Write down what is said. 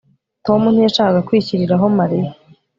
Tom ntiyashakaga kwishyiriraho Mariya